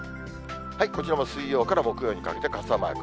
こちらも水曜から木曜にかけて傘マーク。